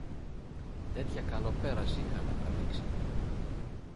Τέτοια καλοπέραση είχαμε τραβήξει».